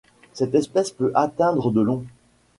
Cette espèce peut atteindre de long.